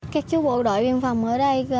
các chú bộ đội biên phòng ở đây